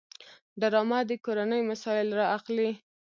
ډرامه د کورنۍ مسایل راخلي